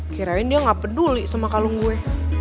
kirain dia gak peduli sama kalung gue